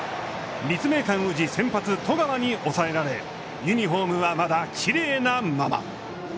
立命館宇治、先発十川に抑えられユニホームは、まだきれいなまま。